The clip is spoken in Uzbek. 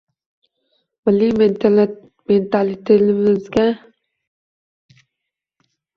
Milliy mentalitetimizga, anʼana va qadriyatlarimizga toʻgʻri kelaydigan kiyimlarni kiymasligimiz kerak.